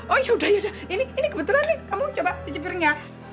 oh yaudah yaudah ini kebetulan nih kamu coba siap siap pernya